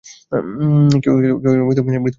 কেউই মৃত পসাম খেতে চাইবে না।